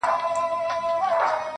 د يار غمو په مخه کړی دا دی کال وهي~